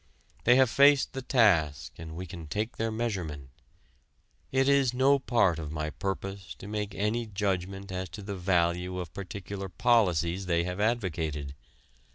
They have faced the task and we can take their measurement. It is no part of my purpose to make any judgment as to the value of particular policies they have advocated.